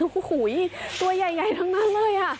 โอ้โฮตัวใหญ่ทั้งเลยค่ะ